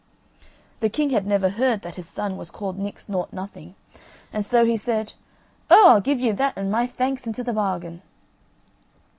The king had never heard that his son was called Nix Nought Nothing, and so he said: "O, I'll give you that and my thanks into the bargain."